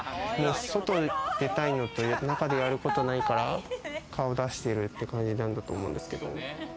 外に出たいのと、中でやることないから顔出してるって感じなんだと思いますけれども。